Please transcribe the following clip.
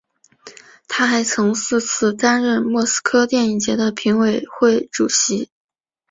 他还曾四次担任莫斯科电影节的评委会主席。